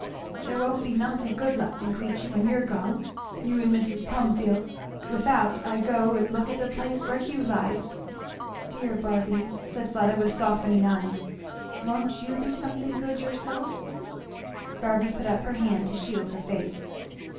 "There won't be nothing good left in Queechy, when you're gone, you and Mis' Plumfield without I go and look at the place where Hugh lies " "Dear Barby," said Fleda with softening eyes, "won't you be something good yourself?" Barby put up her hand to shield her face.